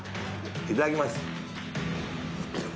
いただきます。